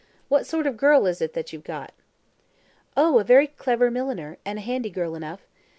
What sort of girl is it that you've got?" "Oh, a very clever milliner, and a handy girl enough.